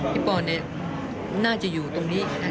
พี่ปอเนี่ยน่าจะอยู่ตรงนี้เนอะ